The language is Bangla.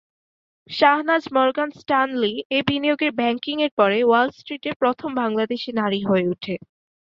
শাহনাজ মরগান স্ট্যানলি এ বিনিয়োগের ব্যাংকিং এর পরে ওয়াল স্ট্রিটে প্রথম বাংলাদেশি নারী হয়ে ওঠে।